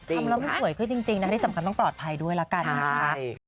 ทำแล้วมันสวยขึ้นจริงนะที่สำคัญต้องปลอดภัยด้วยละกันนะคะ